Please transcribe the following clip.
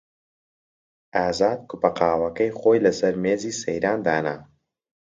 ئازاد کووپە قاوەکەی خۆی لەسەر مێزی سەیران دانا.